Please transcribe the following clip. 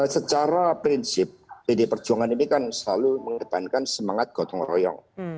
secara prinsip pdi perjuangan ini kan selalu mengedepankan semangat gotong royong